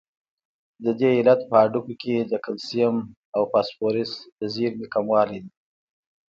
د دې علت په هډوکو کې د کلسیم او فاسفورس د زیرمې کموالی دی.